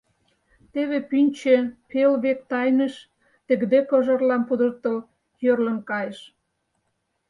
Теве пӱнчӧ пел век тайныш, тыгыде кожерлам пудыртыл йӧрлын кайыш.